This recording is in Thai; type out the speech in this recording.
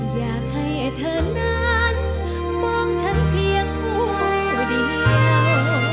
อยากให้เธอนั้นมองฉันเพียงผู้เดียว